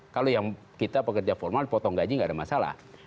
kalau yang kita pekerja formal potong gaji nggak ada masalah